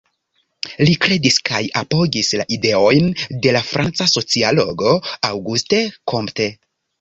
Li kredis kaj apogis la ideojn de la franca sociologo, Auguste Comte.